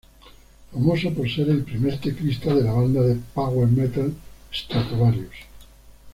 Famoso por ser el primer teclista de la banda de Power Metal Stratovarius.